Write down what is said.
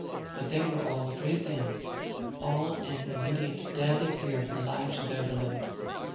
But they were all afraid, then, all in immediate deadly fear for the lives of their beloved!